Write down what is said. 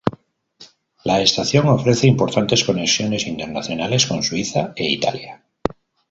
La estación ofrece importantes conexiones internacionales con Suiza e Italia.